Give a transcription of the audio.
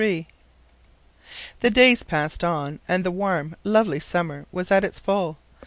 III. The days passed on and the warm lovely summer was at its full.